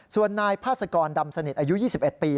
ส่วนนายพาสกรดำสนิทอายุ๒๑ปี